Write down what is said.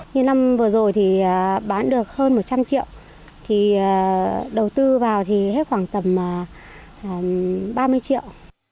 như năm vừa rồi thì bán được hơn một trăm linh triệu thì đầu tư vào thì hết khoảng tầm ba mươi triệu